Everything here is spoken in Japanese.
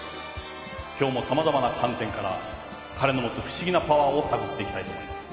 今日もさまざまな観点から彼の持つ不思議なパワーを探っていきたいと思います」